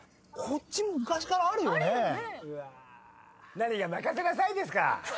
何が「任せなさい」ですか。